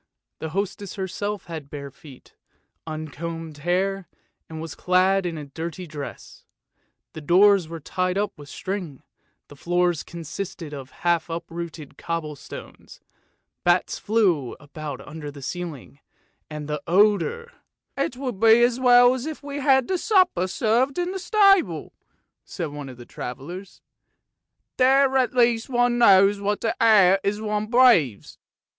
The hostess herself had bare feet, uncombed hair, and was clad in a dirty blouse. The doors were tied up with string, the floors consisted of half uprooted cobble stones, bats flew about under the ceiling, and the odour " It would be as well if we had the supper served in the stable," said one of the travellers; " there at least one knows what the air is one breathes."